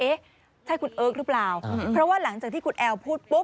เอ๊ะใช่คุณเอิร์กหรือเปล่าเพราะว่าหลังจากที่คุณแอลพูดปุ๊บ